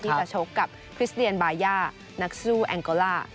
จะชกกับคริสเดียนบาย่านักสู้แองโกล่า